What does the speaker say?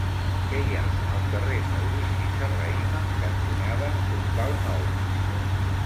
Què hi ha al carrer Maurici Serrahima cantonada Portal Nou?